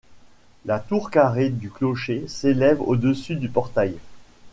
La tour carrée du clocher s'élève au-dessus du portail.